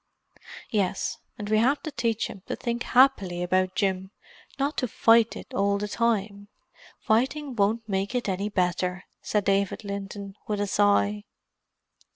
"Yes. And we have to teach him to think happily about Jim—not to fight it all the time. Fighting won't make it any better," said David Linton, with a sigh.